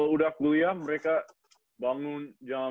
kalau udah kuliah mereka bangun jam lima